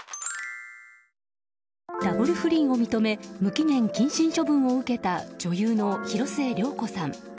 ダブル不倫を認め無期限謹慎処分を受けた女優の広末涼子さん。